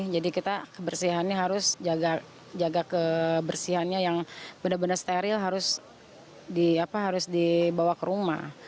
jadi kita kebersihannya harus jaga kebersihannya yang benar benar steril harus dibawa ke rumah